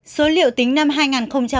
số liệu tính năm hai nghìn một mươi chín